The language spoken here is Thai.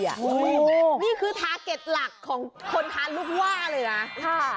โอ้โหนี่คือทาเก็ตหลักของคนทานลูกว่าเลยนะ